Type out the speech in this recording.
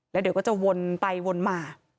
แล้วเดี๋ยวก็จะวนไปวนมา